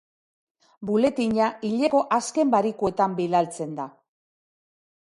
Buletina hileko azken barikuetan bidaltzen da.